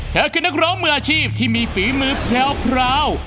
เธอคือนักร้องมืออาชีพที่มีฝีมือแพรว